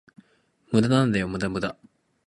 無駄なんだよ、無駄無駄